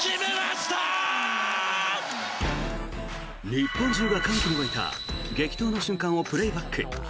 日本中が歓喜に沸いた激闘の瞬間をプレーバック。